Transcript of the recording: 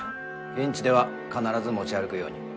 現地では必ず持ち歩くように。